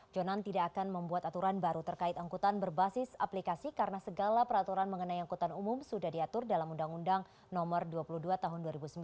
jonan tidak akan membuat aturan baru terkait angkutan berbasis aplikasi karena segala peraturan mengenai angkutan umum sudah diatur dalam undang undang no dua puluh dua tahun dua ribu sembilan